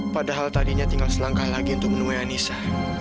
padahal tadinya tinggal selangkah lagi untuk menemui anissa